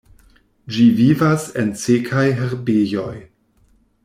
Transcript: Ĝi vivas en sekaj herbejoj.